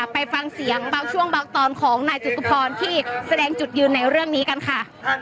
ไปฟังเสียงบางช่วงบางตอนของนายจตุพรที่แสดงจุดยืนในเรื่องนี้กันค่ะ